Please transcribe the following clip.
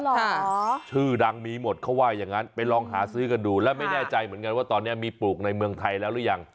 เหรอชื่อดังมีหมดเขาว่าอย่างนั้นไปลองหาซื้อกันดูแล้วไม่แน่ใจเหมือนกันว่าตอนนี้มีปลูกในเมืองไทยแล้วหรือยัง